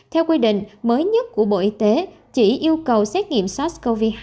theo quy định mới nhất của bộ y tế chỉ yêu cầu xét nghiệm sars cov hai